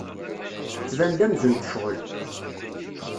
Tettban-d amzun tecɣel.